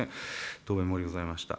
答弁漏れでございました。